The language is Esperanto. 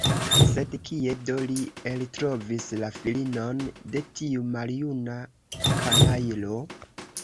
Sed kie do li eltrovis la filinon de tiu maljuna kanajlo?